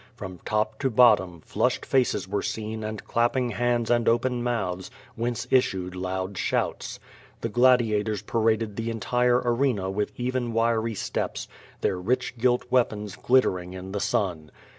From top to bottom, flushed faces were seen and clapping hands and open mouths whence issued loud shouts. The gladiators paraded the entire arena M'ith even wiry steps, their rich gilt weapons glittering in the sun.